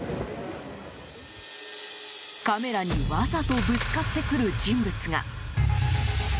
カメラにわざとぶつかってくる人物が。